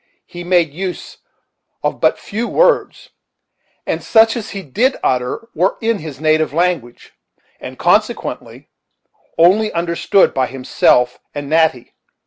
He made use of but few words, and such as he did utter were in his native language, and consequently only understood by himself and Natty.